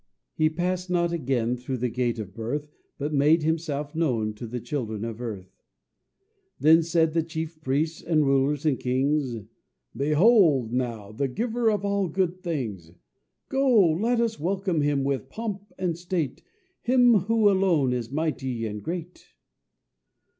He passed not again through the gate of birth, But made himself known to the children of earth. Then said the chief priests, and rulers, and kings, "Behold, now, the Giver of all good things; Go to, let us welcome with pomp and state Him who alone is mighty and great."